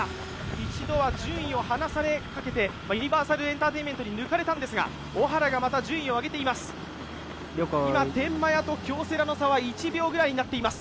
一度は順位を離されかけて、ユニバーサルエンターテインメントに抜かれたんですが、小原がまた順位を上げています。